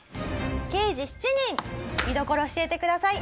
『刑事７人』見どころを教えてください。